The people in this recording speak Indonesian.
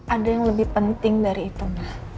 ada yang lebih penting dari itu